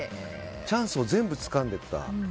チャンスを全部つかんできた。